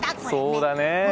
そうだね。